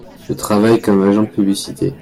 Je travaille comme agent de publicité.